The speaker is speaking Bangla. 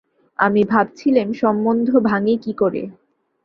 আমি ভাবছিলেম, সম্মন্ধ ভাঙি কী করে।